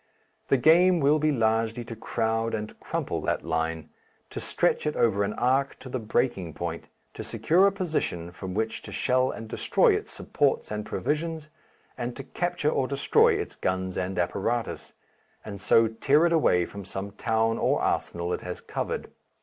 The game will be largely to crowd and crumple that line, to stretch it over an arc to the breaking point, to secure a position from which to shell and destroy its supports and provisions, and to capture or destroy its guns and apparatus, and so tear it away from some town or arsenal it has covered.